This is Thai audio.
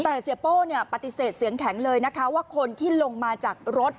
แต่เสียโป้ปฏิเสธเสียงแข็งเลยนะคะว่าคนที่ลงมาจากรถ